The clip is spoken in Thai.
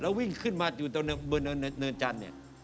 วิ่งขึ้นมาอยู่ตรงเนินจันทร์เนี่ย